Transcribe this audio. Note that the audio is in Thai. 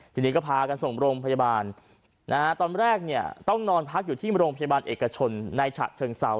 ทีนี้ก็พากันส่งโรงพยาบาลนะฮะตอนแรกเนี่ยต้องนอนพักอยู่ที่โรงพยาบาลเอกชนในฉะเชิงเซา